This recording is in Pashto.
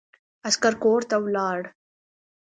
عسکر کورته ولاړ.